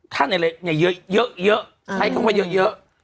ขั้นอะไรเยอะใครต้องไปเยอะ